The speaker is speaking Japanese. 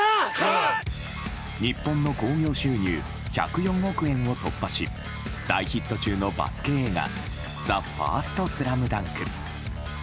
日本の興行収入１０４億円を突破し大ヒット中のバスケ映画「ＴＨＥＦＩＲＳＴＳＬＡＭＤＵＮＫ」。